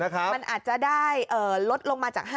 ค่ะมันอาจจะได้ลดลงมาจาก๕๐๐๐๐๐